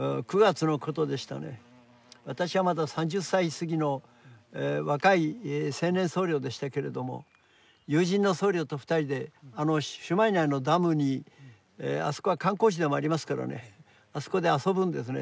私はまだ３０歳過ぎの若い青年僧侶でしたけれども友人の僧侶と２人であの朱鞠内のダムにあそこは観光地でもありますからねあそこで遊ぶんですね。